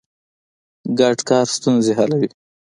ګډ کار ستونزې حلوي.